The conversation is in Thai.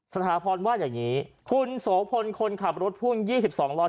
สถาพรว่าอย่างนี้คุณสโภนคนขับรถทุกคน๒๒รถ